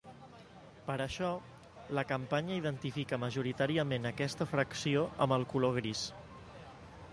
Per això, la campanya identifica majoritàriament aquesta fracció amb el color gris.